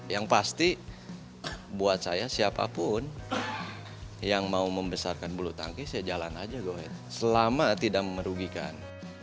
yang pasti buat saya siapapun yang mau membesarkan bulu tangkis ya jalan aja selama tidak merugikan